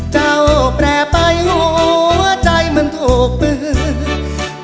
เจ้าแปรไปหัวใจมันถูกเปิด